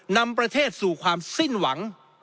นำประเทศสู่ความสิ้นหวัง